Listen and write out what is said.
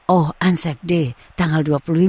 oh unsaft day tanggal dua puluh lima